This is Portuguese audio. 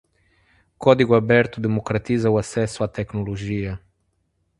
Código aberto democratiza o acesso à tecnologia.